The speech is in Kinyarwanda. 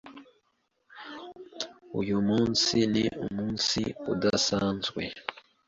Uyu munsi ni umunsi udasanzwe.